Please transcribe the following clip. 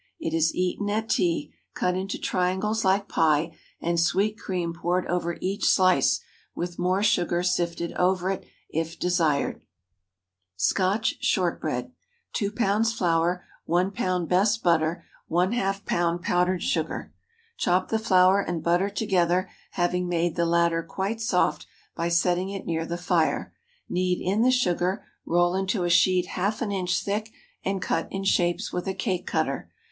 It is eaten at tea, cut into triangles like pie, and sweet cream poured over each slice, with more sugar sifted over it, if desired. SCOTCH SHORT BREAD. 2 lbs. flour. 1 lb. best butter. ½ lb. powdered sugar. Chop the flour and butter together, having made the latter quite soft by setting it near the fire. Knead in the sugar, roll into a sheet half an inch thick, and cut in shapes with a cake cutter.